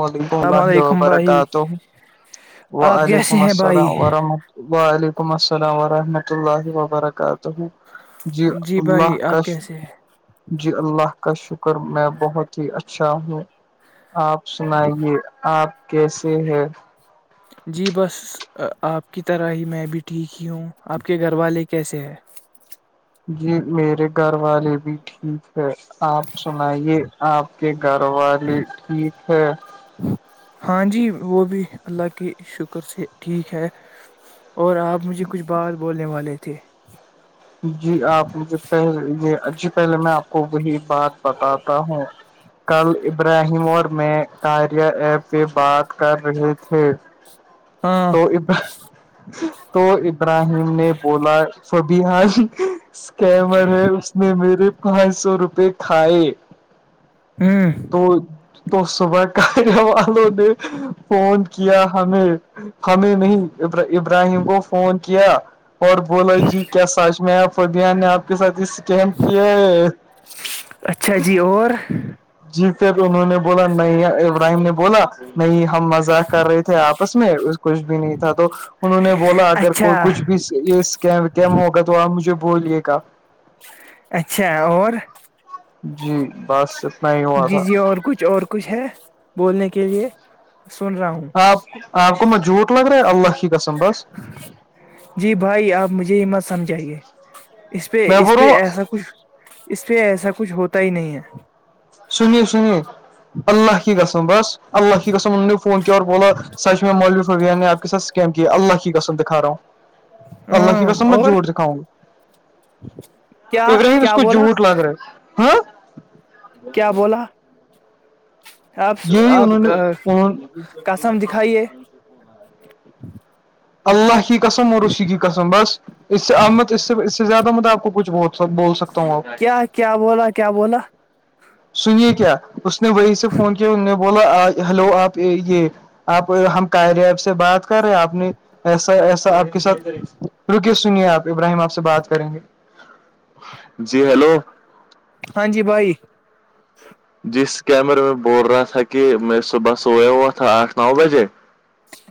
وعلیکم السلام الام علیکم بھائی وبرکاتہ آپ وعلیکم کیسے ہیں بھائی السلام ورحمۃ ال وعلیکم السلام ورحمۃ اللہ وبرکاتہ جی اللہ بھائی آپ کش کیسے ہیں جی اللہ کا شکر میں بہت ہی اچھا ہوں آپ سنائیے آپ کیسے ہے جی بس آپ کی طرح ہی میں بھی ٹھیک ہی ہوں آپ کے گھر والے کیسے ہے جی میرے گھر والے بھی ٹھیک ہے آپ سنائیے آپ کے گھر والے ٹھیک ہے ہاں جی وہ بھی اللہ کے شکر سے ٹھیک ہے اور آپ مجھے کچھ بات بولنے والے تھے جی آپ مجھے پہلے یہی پہلے میں آپ کو وہی بات بتاتا ہوں کل ابراہیم اور میں کاریا ایپ پہ بات کر رہے تھے ہاں توب تو ابراہیم نے بولا س بار اسکیمر ہے اس نے میرے پانچ سو روپے کھائے ہوں تو تو صبح کیہ والوں نے فون کیا ہمیں ہمیں نہیں ابراہیم کو فون کیا اور بولا جی کیا سچ میں آپ فبیہ نے آپ کے ساتھ اس کیمپ کیا ہے اچھا جی اور جی پھر انہوں نے بولا نیا ابراہیم نے بولا نہیں ہم مزاق کر رہے تھے آپس میں کچھ بھی نہیں تھا تو انہوں نے بولا اگر کوئی اچھا کچھ بھیم ہوگا تو آپ مجھے بولیے گا اچھا اور جی بس اتنا ہی ہوا جی تھا جی اور کچھ اور کچھ ہے بولنے کے لیے سن رہا ہوں آپ کو میں جھوٹ لگ رہا ہے اللہ کی قسم بس جی بھائی آپ مجھے ہی مت سمجھائیے اس پہ میں اس بول رہا پہ ایسا ہوں کچھ اس پہ ایسا کچھ ہوتا ہی نہیں ہے سنیے سنیے اللہ کی قسم بس اللہ کی قسم انہوں نے فون کیا اور بو سچ میں مولوف ہوب نے س اسکیم کی اللہ کی کسم دکھا رہا ہوں اللہ کی ہاں قسم میں اور جھٹ دکھاں گا کیا ابراہیم اس کیا کو بولا جھوٹ لگ رہا ہاں کیا بولا آپ یہی آپ انہوں نے پون قسم دکھائیے اللہ کی قسم اور ری کی قسم بس اس سے احمد اس سے اس سے زیادہ امد آپ کو کچھ بہت سب بول سکتا ہوں آ کیا کیا بولا کیا بولا سنیے کیا اس نے وہی سے فون کیا ان نے بولا ہیلو آپ یہ آپ ہم قائریب سے بات کر رہے آپ نے ایسا ایسا آپ کے ساتھ رکے سنیے آپ ابراہیم آپ سے بات کریں گے جی ہیلو ہاں جی بھائی جس کیمرے میں بول رہا تھا کہ میں صبح سویا ہوا تھا آٹھ نو بجے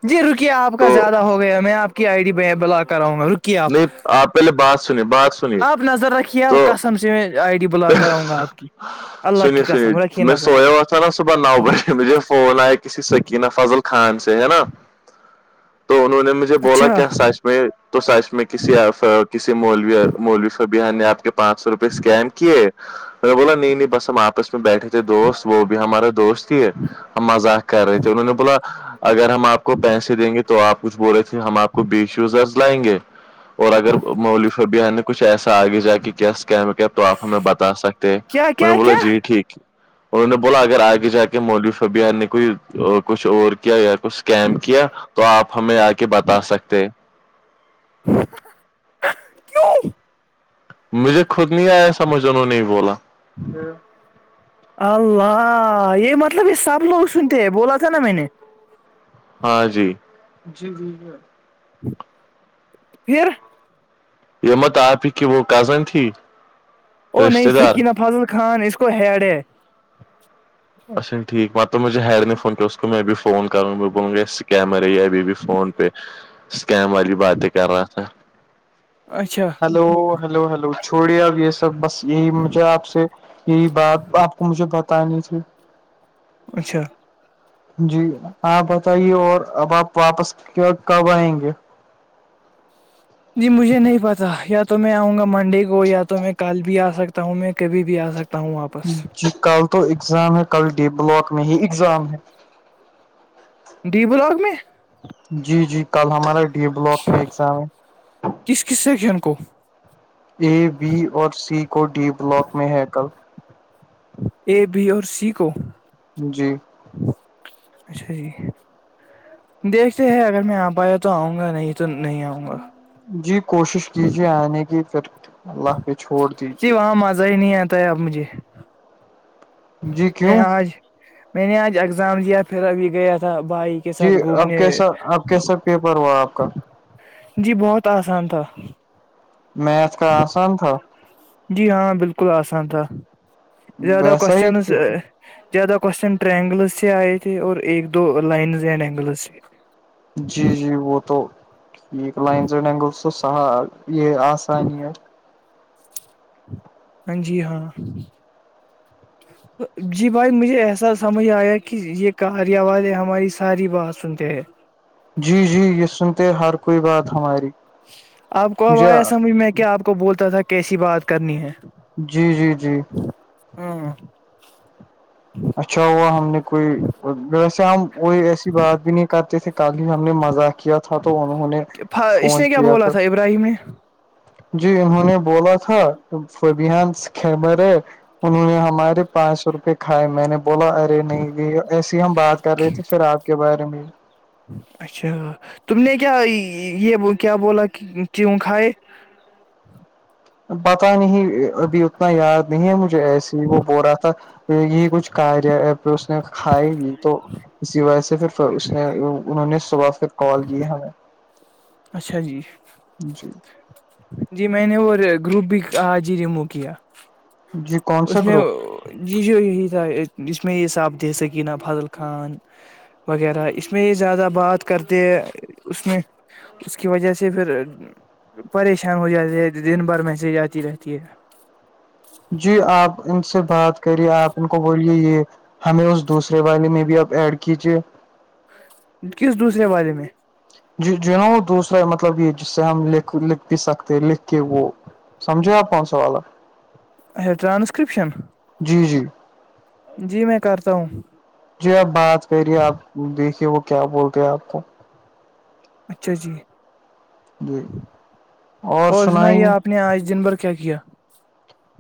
جی رک آپ کا تو زیادہ ہو گیا میں آپ کی آئی ڈی بلاک کراؤں گا رکی آپ نہیں آپ پہلے بات سنیے بات سنیے آپ نظر رکھیے تو آپ کسم سے میں آئیڈی ب سنیے سنیے قسم رکھیے میں نظر سویا ہو تھا نا صبح نو بجے مجھے فون آئے کسی سکین فضل خان سے ہے نا تو انہوں نے م مجھ بولا اچھا کیا سائش میں تو سائش میں کسی کسی می مولوی فبیہ نے آپ کے پانچ سو روپئے اسکیم کیے مے بولا نہیں نہیں بس ہم آپس میں بیٹھے تھے دوست وہ بھی ہمارے دوست ہیے مذاق کر رہے تھے انہوں نے بولا اگر ہم آپ کو پیسے دیں گے تو آپ کچھ بولے تھے ہم آپ کو بیسیوزرز لائیں گے اور اگر مولف اب نے کچھ ایسا آگے جا کے کیا کیا کیا تو آپ ہمیں بتا سکتے کیا میں نے کیا بولا کیا جی ٹھیک انہوں نے بولا اگر آگے جا کے مولوی صاحب نے کوئی کچھ اور کیا یا کچھ کیم کیا تو آپ ہمیں آ کے بتا سکتے کیوں مجھے خود نہیں آیا سمجھ انہوں نے بولا اللہ یہ مطلب یہ سب لوگ سنتے ہیں بولا تھا نا میں نے ہاں جی ج جی ج پھر یہمت آپ ہی کی وہ کزن تھی ا نہیں رشتے دار سکین فاضل خان اس کو ہیڈ ہے اچھا ٹھیک مطلب مجھ ہیئڈ نہیں فون اس کو میں بھی فون کرونگا میں بولوگا یہ سکیمر ابھی بھی فون پہ اسکیم والی باتیں کر رہا تھا اچھا ہیلو ہیلو ہیلو چھوڑیا ابس بس یہی مجھے آپ سے یہی بات آپ کو مجھے بتانی تھی اچھا جی ہاں بتائیے اور اب آپ واپس کب آئیں گے جی مجھے نہیں پتا یا تو میں آؤں گا منڈے کو یا تو میں کل بھی آ سکتا ہوں میں کبھی بھی آ سکتا ہوں آپ جی کل تو ایگزام ہے کل ڈی بلاک میں ہی اگزام ہے ڈی بلاک میں جی جی کل ہمارا ڈی بلاک میں ایگزام کس کس سے کن کو اے بی اور سی کو ڈی بلاک میں ہے کل اے بی اور سی کو جی اچھا جی دیکھتے ہے اگر میں آ پایا تو آؤں گا نہیں تو نہیں آؤںا جی کوشش کیجیے آنے کی پھر اللہ پہ چھوڑ دیجے کا مزہ ہی نہیں ہے ت مجھے جی میں کیوں آج میں نے آج اگزام لیا پھر ابھی گیا تھا بائک کے جی ساتھ اب گھومنے کیسا اب کیسا پیپر ہوا آپ کا جی بہت آسان تھا میتھ کا آسان تھا جی ہاں بالکل آسان تھا دہ ویسا ہی کوشن زیادہ کوشچن ٹر اینگلز سے آئے تھے اور ایک دو لائنز اینڈ اینگلز سے جی جی وہ تو ٹھیک لائنزائنینگل تو س یہ آسانی ہے ہاں جی ہاں جی بھائی مجھے ایسا سمجھ آیا کہ یہ کاری آواز ہے ہماری ساری بات سنتے ہے جی جی یہ سنتے ہر کوئی بات ہماری آپ کو اب آیا سمجھ میں کیا آپ کو بولتا تھا کیسی بات کرنی ہے جی جی جی ہاں اچھا ہوا ہم نے کوئی ویسے ہم کوئی ایسی بات بھی نہیں کرتے تھے کل ہی ہم نے مزہ کیا تھا تو انہوں نے فون کیا تھا میں جی انہوں نے بولا تھا فبانر ہے انہوں نے ہمارے پانچ سو روپئے کھائے میں نے بولا ارے نہیں یہ ایسی ہی ہم بات کر رہے تھے پھر آپ کے بارے میں اچھا تم نے کیا یہ کیا بولا کیوں کھائے پتا نہیں ابھی اتنا یاد نہیں ہے مجھے ایسی ہی وہ بول رہا تھا یہی کچھ کاریہ پھر اس نے کھائی ہی تو اسی وجہ سے پھر اس نے انہوں نے صبح پھر کال کی ہے ہمیں اچھا جی جی جی میں نے وہ گروپ بھی آج ہی ریموو کیا جی کون سا اس میں گروپ جی جو یہی تھا جس میں یہ صاب دے سکینہ فاضل خان وغیرہ اس میں یہ زیادہ بات کرتے ہے اس میں اس کی وجہ سے پھر پریشان ہو جاتے ہے دن بھر میسج آتی رہتی ہے جی آپ ان سے بات کریے آپ ان کو بولیے یہ ہمیں اس دوسرے والے میں بھی اب ایڈ کیجیے کس دوسرے بارے میں ج جو نا وہ دوسرا مطلب یہ جس سے ہم لکھ لکھ بھی سکتے ہیں لکھ کے وہ سمجھو آپ کون سو والا اچھا ٹرانسکرپشن جی جی جی میں کرتا ہوں جی آپ بات کریے آپ دیکھیے وہ کیا بولتے ہیں آپ کو اچھا جی جی اور سنا یہ آپ آ نے آج دن بھر کیا کیا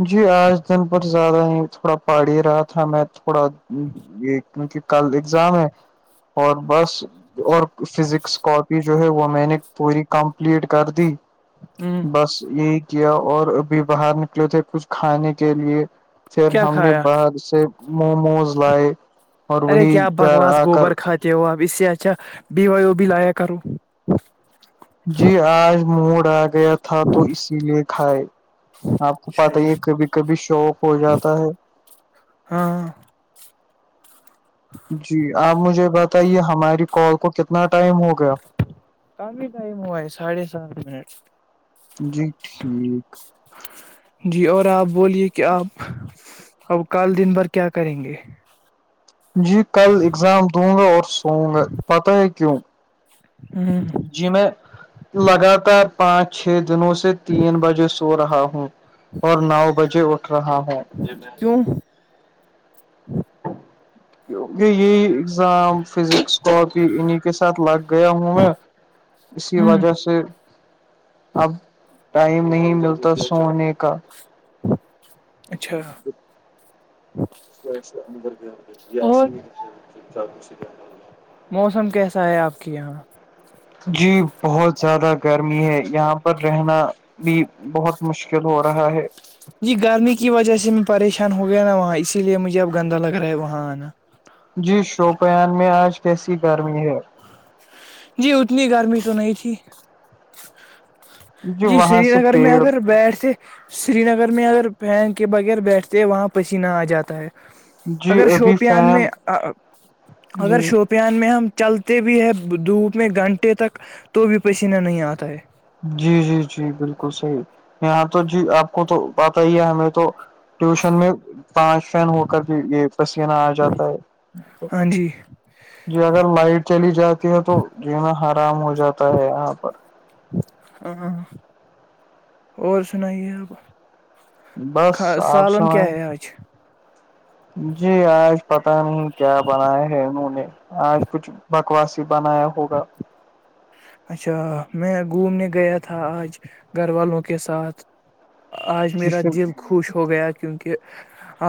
جی آج دن ب زیادہ ہی تھوڑا پہاڑی رہا تھا میں تھوڑا یہ کیونکہ کل ایگزام ہے اور بس اور فزکس کاپی جو ہے وہ میں نے پوری کمپلیٹ کر دی ہوں بس یہی کیا اور ابھی باہر نکلے تھے کچھ کھانے کے لیے پھر کیا ہم نے کھایا باہر سے موموز لائے اور وہی گھر آ کر کہ وہ اب اس سے اچھا بی وی بھی لایا کروں جی آج موڑ آ گیا تھا تو اسی لیے کھائے آپ کو اچھا پت ہی جی ہے کبھی کبھی شوق ہو جاتا ہے ہاں جی آپ مجھے بتائیے ہماری کال کو کتنا ٹائم ہو گیا کی ٹائم ہو ہے ساھے سات منٹ جی ٹھیک جی اور آپ بولیے کہ آپ اب کل دن بھر کیا کریں گے جی کل اگزام دوں گا اور سوؤوں گا پتہ ہے کیوں ہ جی میں لگاتار پانچ چھ دنوں سے تین بجے سے ہو رہا ہوں اور نو بجے اٹھ رہا ہوں کیوں کیونکہ یہی ایزام فزکس کاپی انیں کے ساتھ لگ گیا ہوں میں اسی ہ وجہ سے اب ٹائم نہیں ملتا سونے کا اچھا اور [unintelligible] موسم کیسا ہے آپ کے یہاں جی بہت زیادہ گرمی ہے یہاں پر رہنا بھی بہت مشکل ہو رہا ہے جی گرمی کی وجہ سے میں پریشان ہو گیا نا وہاں اسی لیے مجھے اب گندا لگ رہا ہے وہاں آنا جی شوپیان میں آج کیسی گرمی ہے جی اتنی گرمی تو نہیں تھی جی وہاں سری سے نگر میں پیڑ اگر بیٹھے سری نگر میں اگر پین کے بغیر بیٹھتے ہیں وہاں پسینہ آ جاتا ہے جی اگر ابھی شوپیان فین میں جی اگر شوپ پیان میں ہم چلتے بھی ہے دھوپ میں گھنٹے تک تو بھی پسینہ نہیں آتا ہے جی جی جی بالکل صحیح یہاں تو جی آپ کو تو پتا ہی ہے ہمیں تو ٹیوشن میں پانچ فین ہو کر بھی یہ پسینہ آ جاتا ہے ہاں جی جی اگر لائٹ چلی جاتی ہے تو ج میںا آرام ہو جاتا ہے یہاں پر ہاں اور سنائیے آپ بس آپ سالن کیا سمئے ہے آج جی آج پتا نہیں کیا بنایا ہے انہوں نے آج کچھ بکواسی بنایا ہوگا اچھا میں گھومنے گیا تھا آج گھر والوں کے ساتھ آج جس میرا سے دل خوش ہو گیا کیونکہ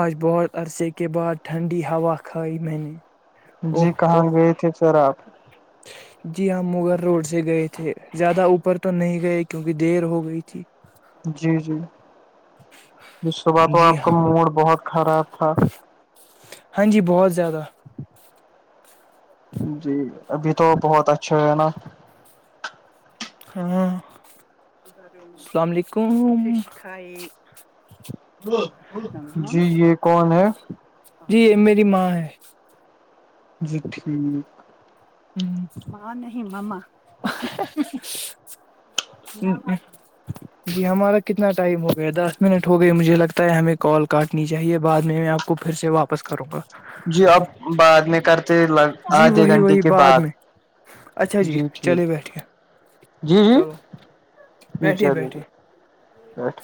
آج بہت عرصے کے بعد ٹھنڈی ہوا کھائی میں نے اوہ جی کہاں اوہ گئے تھے سر آپ جی ہم مغل روڈ سے گئے تھے زیادہ اوپر تو نہیں گئے کیونکہ دیر ہو گئی تھی جی جی جس صبح تو جی آپ کا ہاں موڈ بہت خراب تھا ہاں جی بہت زیادہ جی ابھی تو بہت اچھا ہو نا ہاں اللام علیکم جی یہ کون ہے جی یہ میری ماں ہے جی ٹھیک ہ م نہیں ہی مم ہ ج [inaudible] جی ہمارا کتنا ٹائم ہو گیا دس منٹ ہو گیا مجھے لگتا ہے ہمیں کال کاٹنی چاہیے بعد میں ہم آپ کو پھر سے واپ واپس کروں گا جی اب بعد میں کرتےگ جی آدھے وہی گھنٹے وہی کی بعد بات میں اچھا جی ٹھیک چلے بیٹھیے جی جی چلو جی بیٹھیے چلو ج بیٹھیے بیٹھ